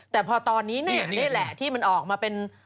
แต่ตอนนี้ได้แหละที่มันมาเป็น